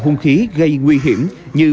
hùng khí gây nguy hiểm như